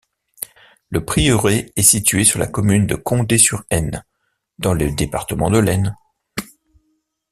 Le prieuré est situé sur la commune de Condé-sur-Aisne, dans le département de l'Aisne.